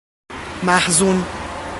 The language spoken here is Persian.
محزون